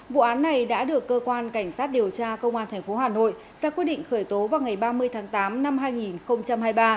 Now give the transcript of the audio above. vụ án này đã được cơ quan cảnh sát điều tra công an tp hà nội ra quyết định khởi tố vào ngày ba mươi tháng tám năm hai nghìn hai mươi ba